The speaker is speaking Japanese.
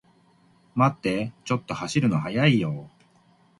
待ってー、ちょっと走るの速いよー